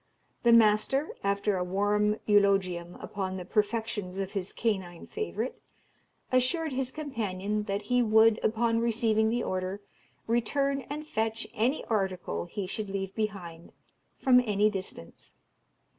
The master, after a warm eulogium upon the perfections of his canine favourite, assured his companion that he would, upon receiving the order, return and fetch any article he should leave behind, from any distance.